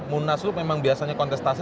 munaslup memang biasanya kontestasi